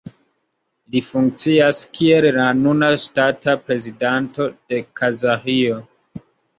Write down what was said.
Li funkcias kiel la nuna ŝtata prezidanto de Kazaĥio.